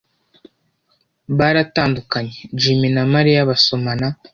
Baratandukanye, Jim na Mariya basomana